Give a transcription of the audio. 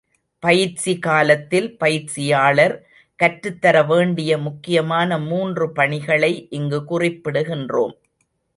பயிற்சி காலத்தில் பயிற்சியாளர் கற்றுத்தர வேண்டிய முக்கியமான மூன்று பணிகளை இங்கு குறிப்பிடுகின்றோம்.